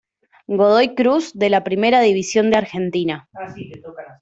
Godoy Cruz de la Primera División de Argentina.